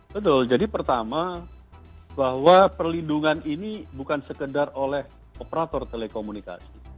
betul jadi pertama bahwa perlindungan ini bukan sekedar oleh operator telekomunikasi